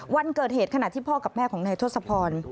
วันเกิดเหตุขณะที่พ่อกับแม่ของนายทศพร